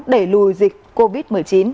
để lùi dịch covid một mươi chín